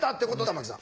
玉木さん。